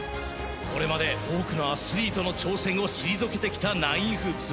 これまで多くのアスリートの挑戦を退けてきたナインフープス